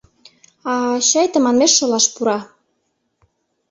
— А-а, чай тыманмеш шолаш пура.